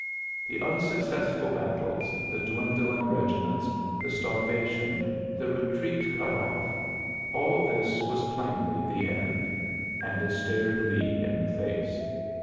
*' The unsuccessful battles, the dwindling regiments, the starvation, the retreat cut off, — all this was plainly the end ; and it stared Lee in the face.